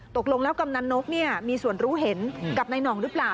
ตกลงแล้วกำนันนกมีส่วนรู้เห็นกับนายหน่องหรือเปล่า